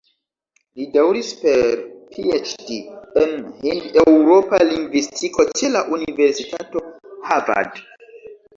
Li daŭris per PhD en hind-eŭropa lingvistiko ĉe la Universitato Harvard.